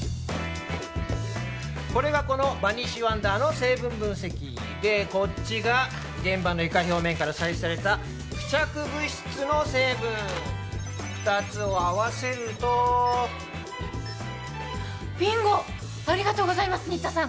これがこのバニッシュワンダーの成分分析でこっちが現場の床表面から採取された付着物質の成分二つを合わせるとビンゴありがとうございます新田さん